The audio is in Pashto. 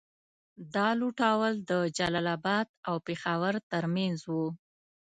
دا لوټول د جلال اباد او پېښور تر منځ وو.